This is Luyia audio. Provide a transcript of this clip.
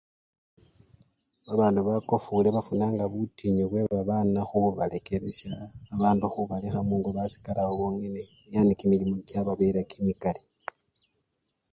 Babandu bakofule bafunanga butinyu bwebabana khubalekelesha nebabandu khubalekha mungo basikalawo bongene kimilimo kyababela kimikali.